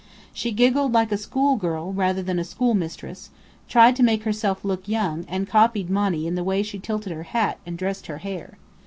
She giggled like a schoolgirl rather than a schoolmistress, tried to make herself look young, and copied Monny in the way she tilted her hat and dressed her hair.